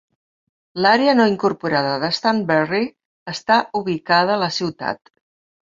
L'àrea no incorporada de Stanberry està ubicada a la ciutat.